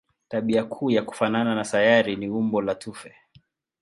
Tabia kuu ya kufanana na sayari ni umbo la tufe.